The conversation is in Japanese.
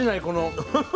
この。